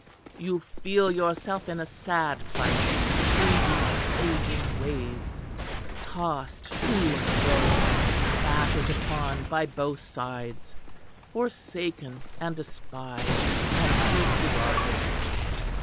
You feel yourself in a sad plight between these raging waves; tossed to and fro, battered upon by both sides, forsaken and despised and disregarded.